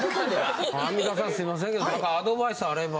アンミカさんすいませんけど何かアドバイスあれば。